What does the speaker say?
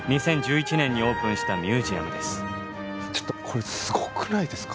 ちょっとこれすごくないですか。